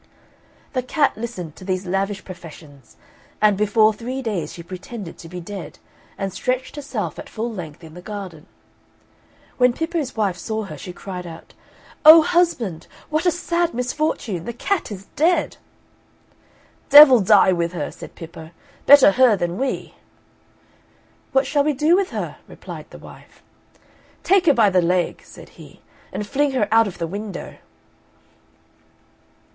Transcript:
The cat listened to these lavish professions; and before three days she pretended to be dead, and stretched herself at full length in the garden. When Pippo's wife saw her, she cried out, "Oh, husband, what a sad misfortune! The cat is dead!" "Devil die with her!" said Pippo. "Better her than we!" "What shall we do with her?" replied the wife. "Take her by the leg," said he, "and fling her out of the window!"